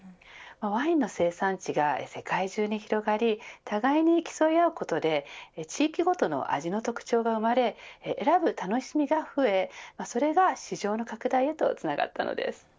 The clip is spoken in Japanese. ワインの生産地が世界中に広がり互いに競い合うことで地域ごとの味の特徴が生まれ選ぶ楽しみが増えそれが市場の拡大へとつながったのです。